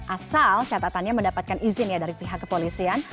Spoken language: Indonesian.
asal catatannya mendapatkan izin ya dari pihak kepolisian